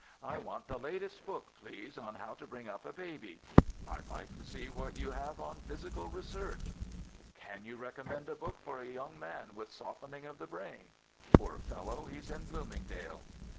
"I want the latest book, please, on how to bring up a baby." "I'd like to see what you have on 'physical research.'" "Can you recommend a book for a young man with softening of the brain? Poor fellow, he's in Bloomingdale."